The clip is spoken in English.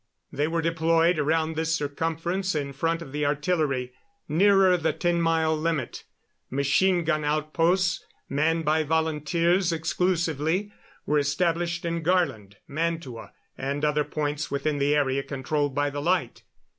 They were deployed around this circumference in front of the artillery, nearer the ten mile limit. Machine gun outposts, manned by volunteers exclusively, were established in Garland, Mantua and other points within the area controlled by the light.